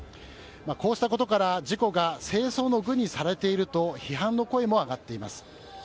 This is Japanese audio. こうしたことから事故が政争の具にされていると批判の声も上がっています。